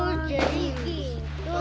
oh jadi itu